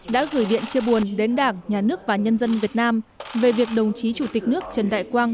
đã gửi điện chia buồn đến đảng nhà nước và nhân dân việt nam về việc đồng chí chủ tịch nước trần đại quang